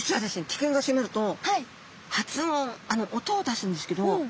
危険が迫ると発音音を出すんですけど。